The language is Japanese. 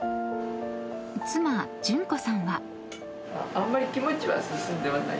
［妻純子さんは］